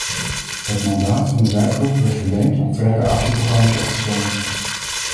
Het mandaat van de werkgroep werd verlengd om verdere actieprogramma's op te stellen.